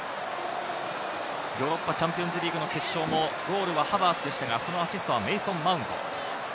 ヨーロッパチャンピオンズリーグの決勝も、ゴールはハバーツでしたが、そのアシストはメイソン・マウント。